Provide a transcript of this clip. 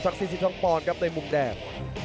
ศักดิ์สิทธิ์ท้องปอนด์ครับในมุมแดง